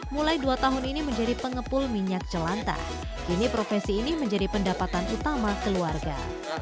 mulai dua tahun ini menjadi pengepul minyak celanta kini profesi ini menjadi pendapatan utama keluarga